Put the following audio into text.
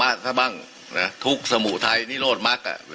ศึกษาธรรมะซะบ้างน่ะทุกสมุทัยนี่โรธมักอ่ะ